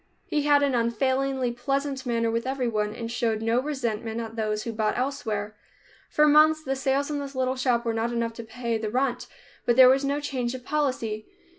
He had an unfailingly pleasant manner with everyone, and showed no resentment at those who bought elsewhere. For months the sales in this little shop were not enough to pay the rent, but there was no change of policy.